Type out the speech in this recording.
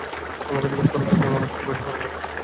কমলাকে জিজ্ঞাসা করিল, কমলা, উমেশকেও লইতে হইবে নাকি?